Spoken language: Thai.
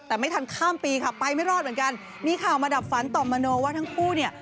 แต่ไม่ทันข้ามปีค่ะไปไม่รอดเหมือนกันมีข่าวมาดับฝันต่อมโนว่าทั้งคู่เนี่ย